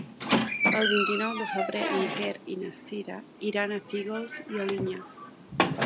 El vint-i-nou de febrer en Quer i na Sira iran a Fígols i Alinyà.